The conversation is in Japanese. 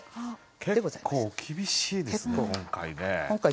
結構厳しいですね今回ね。